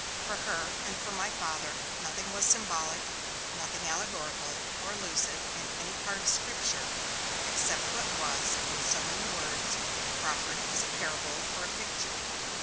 For her, and for my Father, nothing was symbolic, nothing allegorical or allusive in any part of Scripture, except what was, in so many words, proffered as a parable or a picture.